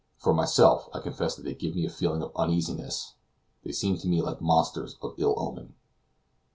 For myself, I confess that they give me a feeling of uneasiness; they seem to me like monsters of ill omen.